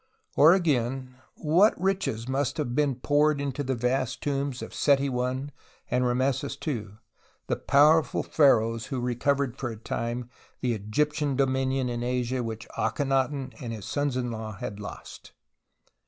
Or again what riches must have been poured into the vast tombs of Seti I and Rameses II, the powerful pharaohs who recovered for a time the Egyptian dominion in Asia which Akhen aton and his sons in law had lost